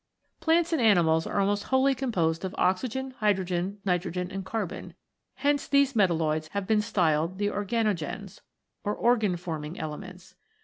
Plants and animals are almost wholly composed of oxygen, hydrogen, nitrogen, and carbon ; hence THE FOUR ELEMENTS. 49 these metalloids have been styled the organogens, or organ forming elements.